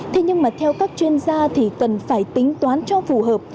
thế nhưng mà theo các chuyên gia thì cần phải tính toán cho phù hợp